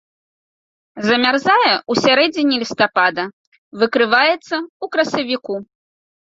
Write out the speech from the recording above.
Замярзае ў сярэдзіне лістапада, выкрываецца ў красавіку.